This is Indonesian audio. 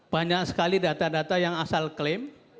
banyak sekali data data yang asal klaim